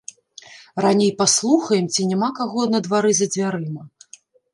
Раней паслухаем, ці няма каго на двары за дзвярыма.